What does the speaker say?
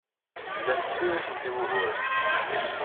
Llant ssinifent i wuguren.